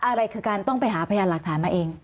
อะไรคือการต้องไปหาพยานหลักฐานมาเอง